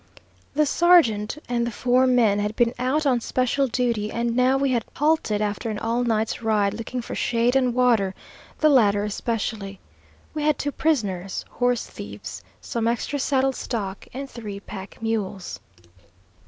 The sergeant and the four men had been out on special duty, and now we had halted after an all night's ride looking for shade and water, the latter especially. We had two prisoners, (horse thieves), some extra saddle stock, and three pack mules.